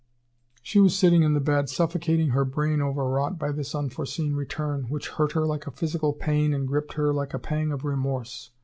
She was sitting in the bed, suffocating, her brain overwrought by this unforeseen return, which hurt her like a physical pain and gripped her like a pang of remorse.